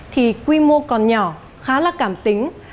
thì quy mô còn nhỏ khá là cảm tính